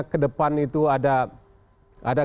ke depan itu ada